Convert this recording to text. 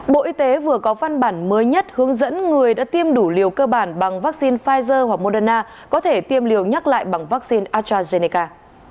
bộ y tế vừa có văn bản mới nhất hướng dẫn người đã tiêm đủ liều cơ bản bằng vaccine pfizer hoặc moderna có thể tiêm liều nhắc lại bằng vaccine astrazeneca